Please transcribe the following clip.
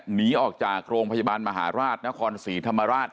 หนีออกจากโรงพยาบาลมหาราชนครศรีธรรมราช